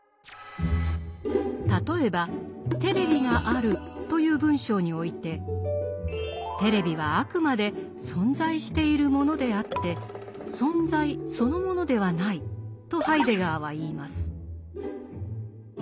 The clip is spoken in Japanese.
例えば「テレビがある」という文章においてテレビはあくまで「存在しているもの」であって「存在」そのものではないとハイデガーは言います。